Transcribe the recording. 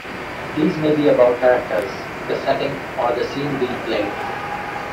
These may be about characters, the setting, or the scene being played.